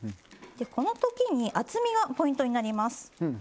でこのときに厚みがポイントになります。